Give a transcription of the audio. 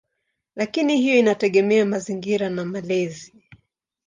Lakini hiyo inategemea mazingira na malezi.